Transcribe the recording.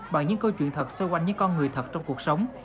bằng những câu chuyện thật xoay quanh những con người thật trong cuộc sống